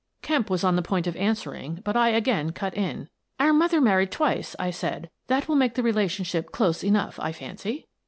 " Kemp was on the point of answering, but I again cut in: "Our mother married twice," I said. "That will make the relationship close enough, I fancy."